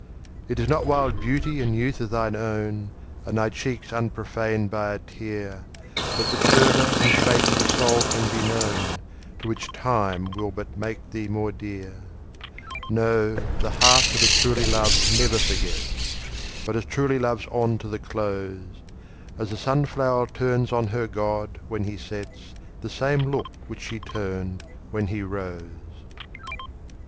It is not while beauty and youth are thine own, And thy cheeks unprofaned by a tear, That the fervor and faith of a soul can be known, To which time will but make thee more dear; No, the heart that has truly loved never forgets, But as truly loves on to the close, As the sun flower turns on her god, when he sets, The same look which she turned when he rose.